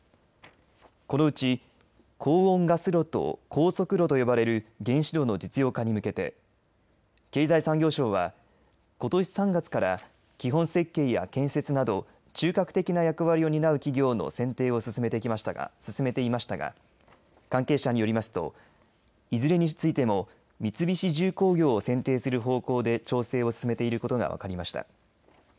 このうち高温ガス炉と高速炉と呼ばれる原子炉の実用化に向けて経済産業省はことし３月から基本設計や建設など中核的な役割を担う企業の選定を進めていましたが関係者によりますといずれについても三菱重工業を選定する方向で調整を進めていることが分かりました。